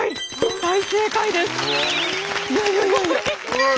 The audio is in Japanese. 大正解です。